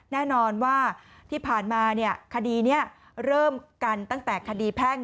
แน่นอนว่าที่ผ่านมาคดีนี้เริ่มกันตั้งแต่คดีแพ่ง